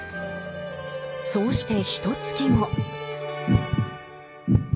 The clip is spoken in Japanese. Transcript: そうしてひとつき後。